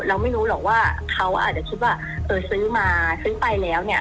เราไม่รู้หรอกว่าเขาอาจจะคิดว่าเออซื้อมาซื้อไปแล้วเนี่ย